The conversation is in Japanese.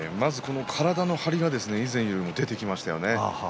体の張りが以前より出てきましたよね。